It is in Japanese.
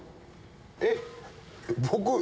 えっ⁉